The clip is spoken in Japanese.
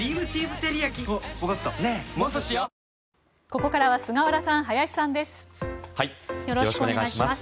ここからは菅原さん、林さんです。